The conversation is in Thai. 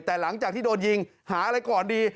แต่หลังจากที่โดนยิงหาอะไรก่อนดี